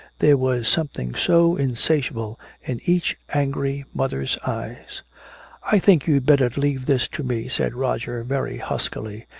There was something so insatiable in each angry mother's eyes. "I think you'd better leave this to me," said Roger very huskily.